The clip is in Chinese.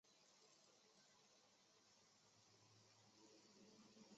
资本主义跟纳粹主义一样邪恶。